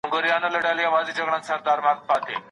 تېر وخت تېر دی، اوس ته وګورئ.